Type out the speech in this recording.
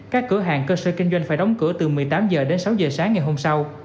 các cửa hàng cơ sở kinh doanh phải đóng cửa từ một mươi tám h đến sáu h sáng ngày hôm sau